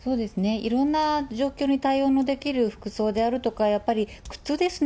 いろんな状況に対応できる服装であるとか、やっぱり靴ですね。